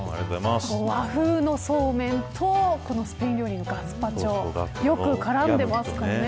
和風のそうめんとスペイン料理のガスパチョよく絡んでいますかね。